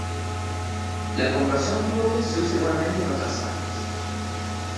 La conversión pivote se usa igualmente en otras áreas.